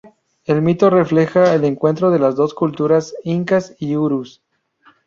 El mito refleja el encuentro de las dos culturas: Incas y Urus.